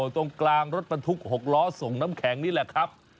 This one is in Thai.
ตรงกลางรถบรรทุก๖ล้อส่งน้ำแข็งนี่แหละครับ